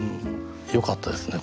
よかったですね